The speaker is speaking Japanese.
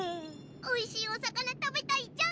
おいしいお魚食べたいじゃん！